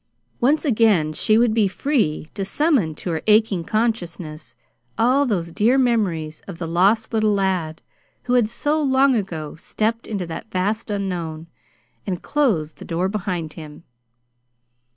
Once again she would be free to summon to her aching consciousness all those dear memories of the lost little lad who had so long ago stepped into that vast unknown and closed the door behind him.